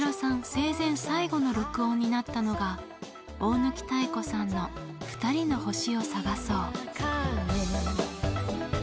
生前最後の録音になったのが大貫妙子さんの「ふたりの星をさがそう」。